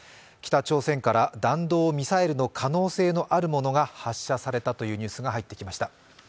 北朝鮮から弾道ミサイルの可能性のあるものが発射されたというニュースが入ってきました。